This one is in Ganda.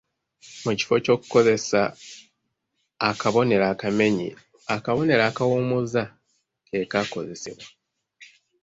Mu kifo ky’okukozesa akabonero akamenyi, akabonero akawummuza ke kaakozesebwa.